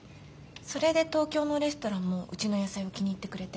それで東京のレストランもうちの野菜を気に入ってくれて。